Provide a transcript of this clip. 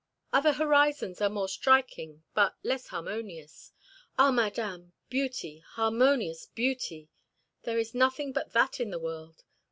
Other horizons are more striking but less harmonious. Ah! Madame, beauty, harmonious beauty! There is nothing but that in the world.